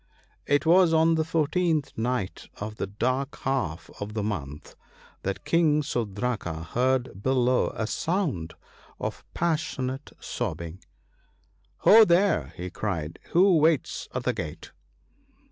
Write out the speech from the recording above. " It was on the fourteenth night of the dark half of the month ( B2 ) that King Sudraka heard below a sound of passionate sobbing. * Ho ! there,' he cried, who waits at the gate